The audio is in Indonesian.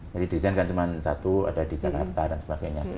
jadi di daerah kan cuma satu ada di jakarta dan sebagainya